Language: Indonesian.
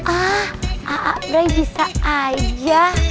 ah aak brai bisa aja